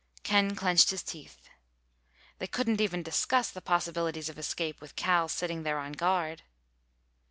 Ken clenched his teeth. They couldn't even discuss the possibilities of escape with Cal sitting there on guard.